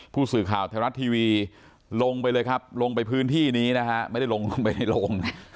ผู้สื่อข่าวไทยรัฐทีวีลงไปเลยครับลงไปพื้นที่นี้นะฮะไม่ได้ลงลงไปในลง